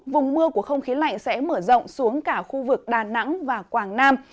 vùng mưa của không khí lạnh sẽ mở rộng xuống cả khu vực đà nẵng và quảng nam